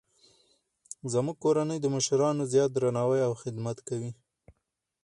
زموږ کورنۍ د مشرانو زیات درناوی او خدمت کوي